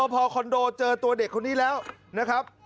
พอคอนโดเจอตัวเด็กคนนี้แล้วนะครับ